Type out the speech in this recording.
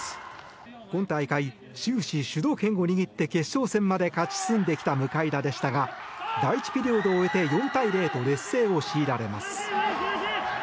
今大会、終始主導権を握って決勝戦まで勝ち進んできた向田でしたが第１ピリオドを終えて４対０と劣勢を強いられます。